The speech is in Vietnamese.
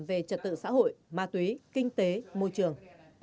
về trật tự xã hội ma túy kinh tế môi trường